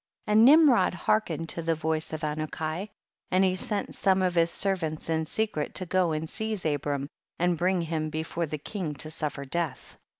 And Nimrod hearkened to the voice of Anuki, and he sent some of his servants in secret to go and seize Abram, and bring him before the king to suffer death.